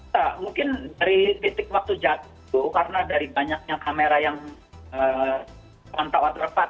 tak mungkin dari titik waktu jadu karena dari banyaknya kamera yang pantau atrapat